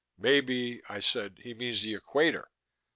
"Maybe," I said, "he means the Equator."